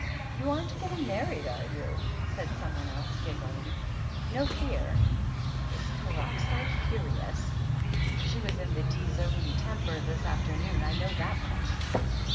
"You aren't getting married, are you?" said some one else, giggling. "No fear." "Is Peroxide furious? She was in the D's own temper this afternoon, I know that much."